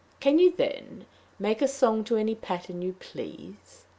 "Can you, then, make a song to any pattern you please?"